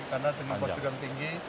karena tinggi posisi yang tinggi